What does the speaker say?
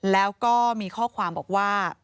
แล้วก็มีข้อความบอกว่า